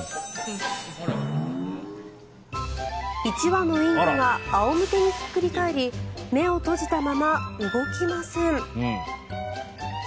１羽のインコが仰向けにひっくり返り目を閉じたまま動きません。